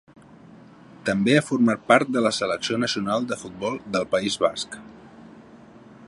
També ha format part de la Selecció nacional de futbol del País Basc.